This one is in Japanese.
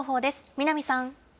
南さん。